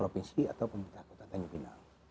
provinsi atau pemerintah kota tanjung pinang